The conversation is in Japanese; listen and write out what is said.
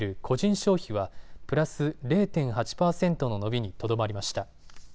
消費はプラス０．８％の伸びにとどまりました。